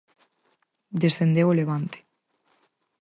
Descendeu o Levante.